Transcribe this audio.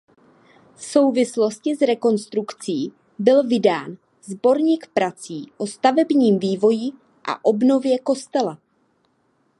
V souvislosti s rekonstrukcí byl vydán "Sborník prací o stavebním vývoji a obnově kostela".